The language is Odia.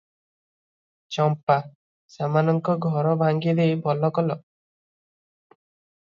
ଚମ୍ପା: ସେମାନଙ୍କ ଘର ଭାଙ୍ଗିଦେଇ ଭଲ କଲ ।